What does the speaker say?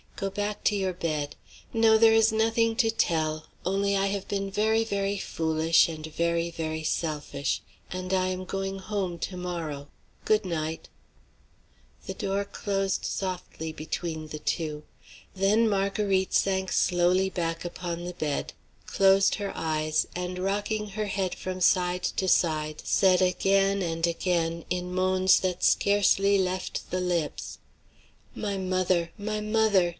Go back to your bed. No, there is nothing to tell; only I have been very, very foolish and very, very selfish, and I am going home to morrow. Good night." The door closed softly between the two. Then Marguerite sank slowly back upon the bed, closed her eyes, and rocking her head from side to side, said again and again, in moans that scarcely left the lips: "My mother! my mother!